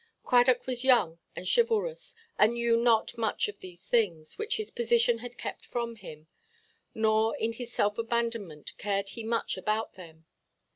Cradock was young and chivalrous, and knew not much of these things, which his position had kept from him; nor in his self–abandonment cared he much about them.